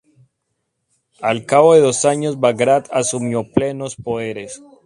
Al cabo de dos años, Bagrat asumió plenos poderes.